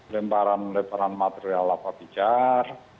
lemparan lemparan material lapapijar